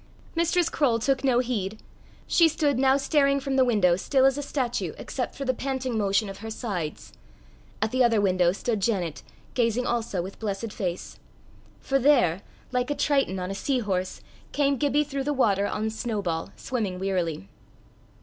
Mistress Croale took no heed. She stood now staring from the window still as a statue except for the panting motion of her sides. At the other window stood Janet, gazing also, with blessed face. For there, like a triton on a sea horse, came Gibbie through the water on Snowball, swimming wearily.